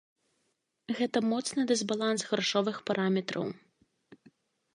Гэта моцны дысбаланс грашовых параметраў.